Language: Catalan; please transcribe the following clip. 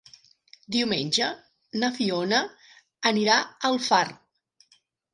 Diumenge na Fiona anirà a Alfarb.